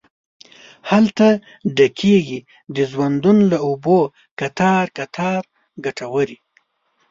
هلته ډکیږې د ژوندون له اوبو کتار، کتار کټوري